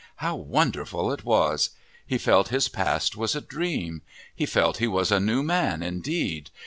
How wonderful it was! He felt his past was a dream. He felt he was a new man indeed.